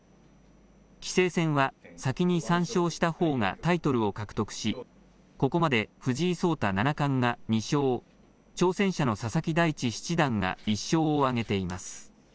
棋聖戦は先に３勝したほうがタイトルを獲得しここまで藤井聡太七冠が２勝を、挑戦者の佐々木大地七段が１勝を挙げています。